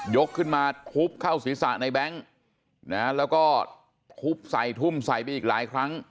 ขึ้นมาทุบเข้าศีรษะในแบงค์นะแล้วก็ทุบใส่ทุ่มใส่ไปอีกหลายครั้ง